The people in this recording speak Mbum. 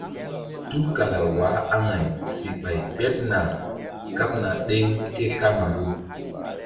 Tukala waah aŋay si ɓay ɓeɓ na kaɓna ɗeŋ ke kamaru.